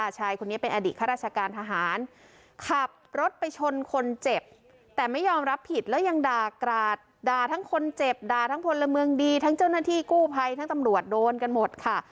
ชายคนนี้เป็นอดีตข้าราชการทหารขับรถไปชนคนเจ็บแต่ไม่ยอมรับผิดแล้วยังด่ากราดด่าทั้งคนเจ็บด่าทั้งพลเมืองดีทั้งเจ้าหน้าที่กู้ภัยทั้งตำรวจโดนกันหมดค่ะ